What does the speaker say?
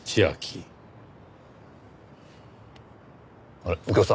あっ右京さん